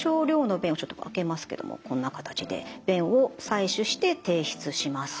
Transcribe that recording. ちょっと開けますけどもこんな形で便を採取して提出します。